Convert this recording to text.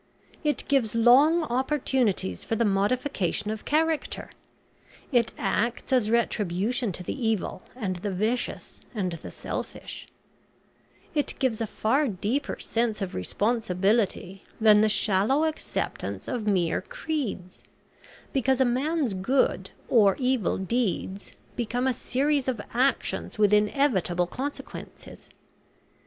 It gives long opportunities for the modification of character; it acts as retribution to the evil and the vicious and the selfish; it gives a far deeper sense of responsibility than the shallow acceptance of mere creeds, because a man's good or evil deeds become a series of actions with inevitable consequences.